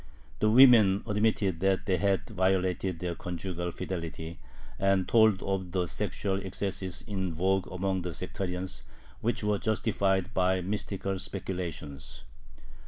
The women admitted that they had violated their conjugal fidelity, and told of the sexual excesses in vogue among the sectarians, which were justified by mystical speculations.